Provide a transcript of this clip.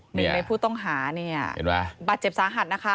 หนึ่งในผู้ต้องหาบาดเจ็บสาหัสนะคะ